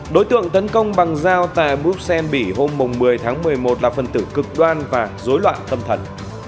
đối tượng tấn công bằng dao tại bruxelles bỉ hôm một mươi tháng một mươi một là phần tử cực đoan và dối loạn tâm thần